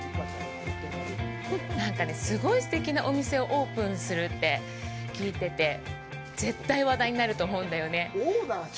なんかね、すごいすてきなお店をオープンするって聞いてて、絶対話題になると思うんだよね。